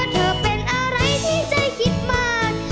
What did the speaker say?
เธอเป็นอะไรที่ใจคิดมาก